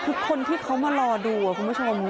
คือคนที่เขามารอดูคุณผู้ชมความรู้